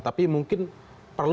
tapi mungkin perlu kembali